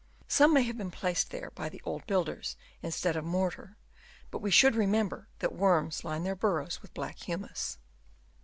Some may have been placed there by the old builders instead of mortar ; but we should remember that worms line their burrows with black humus.